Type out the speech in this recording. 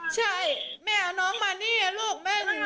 ใช่แม่เอาน้องมานี่ลูก